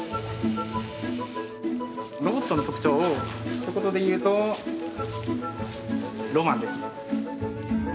ロボットの特徴を一言で言うとロマンですね。